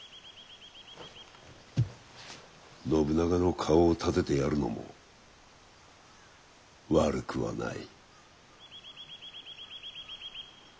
信長の顔を立ててやるのも悪くはない。